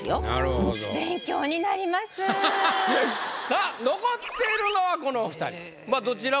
さあ残っているのはこのお二人。